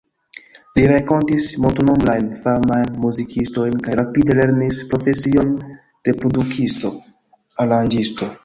Li renkontis multnombrajn famajn muzikistojn kaj rapide lernis profesion de produktisto, aranĝisto.